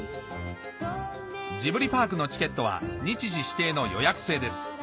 ジブリパークのチケットは日時指定の予約制です